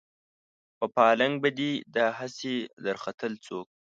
په پالنګ به دې دا هسې درختل څوک